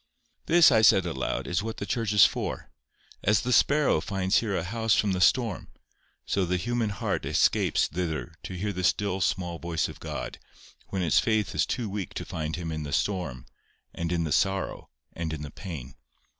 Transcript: "This," I said aloud, "is what the church is for: as the sparrow finds there a house from the storm, so the human heart escapes thither to hear the still small voice of God when its faith is too weak to find Him in the storm, and in the sorrow, and in the pain."